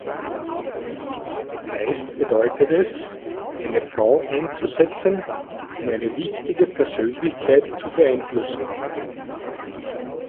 Meist bedeutet es, eine Frau einzusetzen, um eine wichtige Persönlichkeit zu beeinflussen.